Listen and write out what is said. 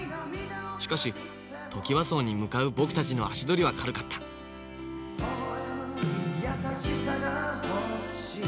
しかしトキワ荘に向かう僕たちの足取りは軽かった「ほほえむ優しさが欲しい」